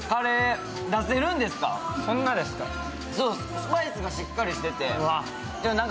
スパイスがしっかりしてて。